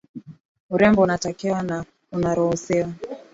urembo unatakiwa na unaruhusiwa